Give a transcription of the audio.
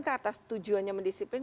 ke atas tujuannya mendisiplin